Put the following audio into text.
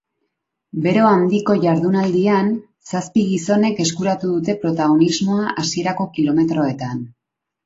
Bero handiko jardunaldian, zazpi gizonek eskuratu dute protagonismoa hasierako kilometroetan.